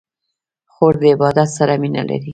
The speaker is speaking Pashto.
خور د عبادت سره مینه لري.